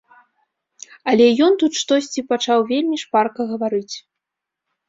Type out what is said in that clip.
Але ён тут штосьці пачаў вельмі шпарка гаварыць.